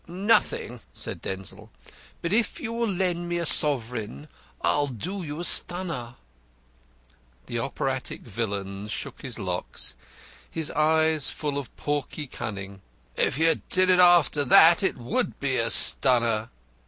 "Nothing," said Denzil, "but if you will lend me a sovereign I'll do you a stunner." The operatic villain shook his locks, his eyes full of pawky cunning. "If you did it after that, it would be a stunner."